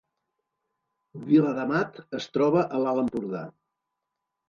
Viladamat es troba a l’Alt Empordà